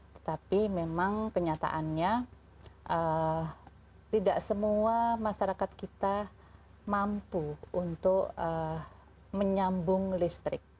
tetapi memang kenyataannya tidak semua masyarakat kita mampu untuk menyambung listrik